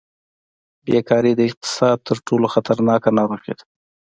بېکاري د اقتصاد تر ټولو خطرناکه ناروغي ده.